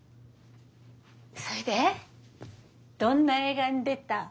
それでどんな映画に出たん？